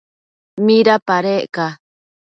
¿midapadec ca?